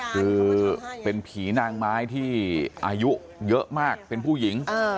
คือเป็นผีนางไม้ที่อายุเยอะมากเป็นผู้หญิง